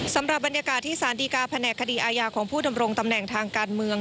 สำหรับบรรยากาศที่สารดีการแผนกคดีอาญาของผู้ดำรงตำแหน่งทางการเมือง